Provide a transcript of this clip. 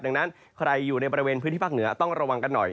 ดังนั้นใครอยู่ในบริเวณพื้นที่ภาคเหนือต้องระวังกันหน่อย